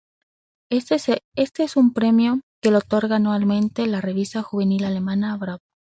Este es un premio que lo otorga anualmente la revista juvenil alemana "Bravo".